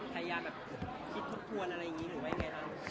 พยายามแบบคิดทบทวนอะไรอย่างนี้หรือไงครับ